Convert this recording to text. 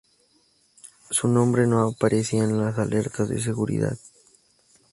Su nombre no aparecía en las alertas de seguridad.